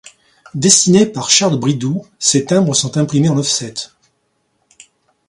Dessinés par Charles Bridoux, ces timbres sont imprimés en offset.